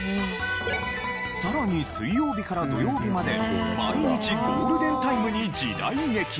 さらに水曜日から土曜日まで毎日ゴールデンタイムに時代劇が。